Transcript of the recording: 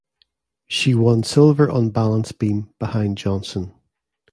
She won silver on balance beam behind Johnson.